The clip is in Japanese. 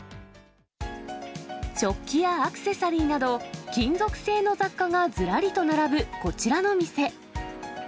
食器やアクセサリーなど、金属製の雑貨がずらりと並ぶ、こちらの店。